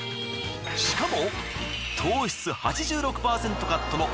しかも。